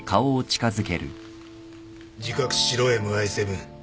自覚しろＭＩ７。